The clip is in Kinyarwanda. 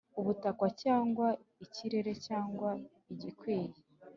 ubutaka, cyangwa ikirere, cyangwa igikwiye,